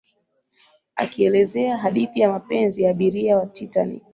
akielezea hadithi ya mapenzi ya abiria wa titanic